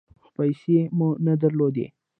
خو پیسې مو نه درلودې .